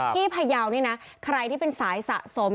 พี่ไผ่เยานี่นะใครที่เป็นสายสะสม